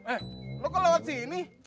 eh lo kelewat sini